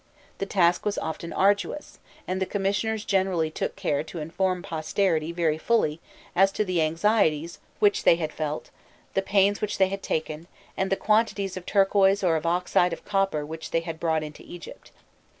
The task was often arduous, and the commissioners generally took care to inform posterity very fully as to the anxieties which they had felt, the pains which they had taken, and the quantities of turquoise or of oxide of copper which they had brought into Egypt.